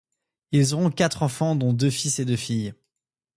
Ils auront quatre enfants dont deux fils et deux filles.